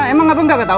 emang apa gak tau